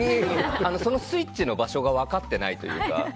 そのスイッチの場所が分かっていないというか。